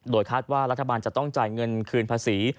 โดยคาดว่ารัฐบาลจะต้องจ่ายเงินคืนภาษี